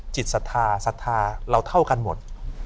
ศรัทธาศรัทธาเราเท่ากันหมด